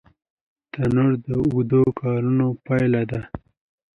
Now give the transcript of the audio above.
تنور د اوږدو کارونو پایله ده